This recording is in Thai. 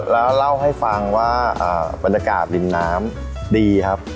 แล้วเล่าให้ฟังว่าบรรยากาศริมน้ำดีครับ